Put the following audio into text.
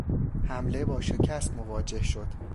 حمله با شکست مواجه شد.